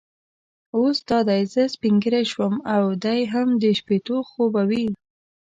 اوس دا دی زه سپینږیری شوم او دی هم د شپېتو خو به وي.